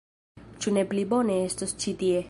Ĉu ne pli bone estos ĉi tie.